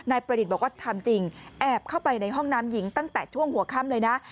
ประดิษฐ์บอกว่าทำจริงแอบเข้าไปในห้องน้ำหญิงตั้งแต่ช่วงหัวค่ำเลยนะ